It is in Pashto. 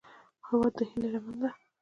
هیواد د هیلې لمنه ده